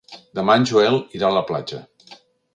Demà en Joel irà a la platja.